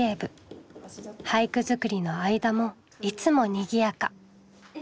俳句作りの間もいつもにぎやか。